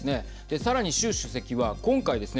さらに習主席は、今回ですね。